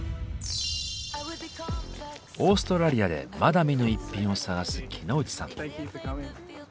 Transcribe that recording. オーストラリアでまだ見ぬ逸品を探す木野内さん。